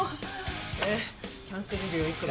えキャンセル料いくら？